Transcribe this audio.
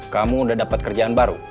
kamu udah dapat kerjaan baru